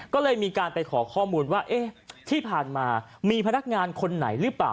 ก็เลยมีการไปขอข้อมูลว่าเอ๊ะที่ผ่านมามีพนักงานคนไหนหรือเปล่า